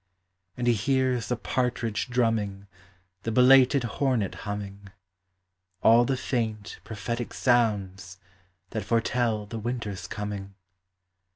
And he hears the partridge drumming, The belated hornet humming, — All the faint, prophetic sounds That foretell the winter 's coming.